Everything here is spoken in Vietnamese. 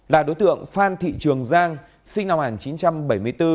là đối tượng phan thị trường giang sinh năm một nghìn chín trăm bảy mươi bốn